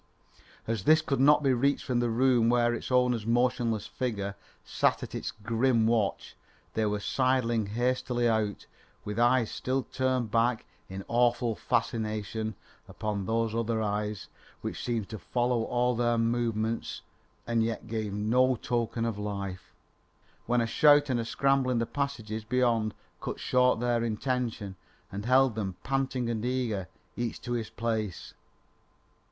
As this could not be reached from the room where its owner's motionless figure sat at its grim watch, they were sidling hastily out, with eyes still turned back in awful fascination upon those other eyes which seemed to follow all their movements and yet gave no token of life, when a shout and scramble in the passages beyond cut short their intent and held them panting and eager, each to his place.